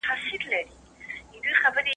کوم عوامل د غوړو سوځولو اغېز کموي؟